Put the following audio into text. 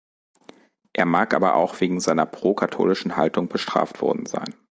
Er mag aber auch wegen seiner pro-katholischen Haltung bestraft worden sein.